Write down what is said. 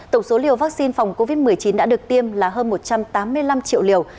tổng số liều vaccine phòng covid một mươi chín đã được tiêm là hơn một trăm tám mươi năm triệu liều